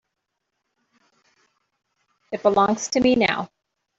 It belongs to me now.